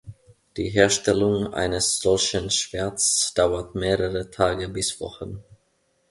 Die Herstellung eines solchen Schwerts dauert mehrere Tage bis Wochen.